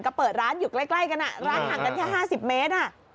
ก็เปิดร้านอยู่ใกล้กันร้านห่างกันแค่๕๐เมตร